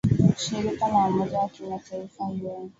shirika la umoja wa kimataifa un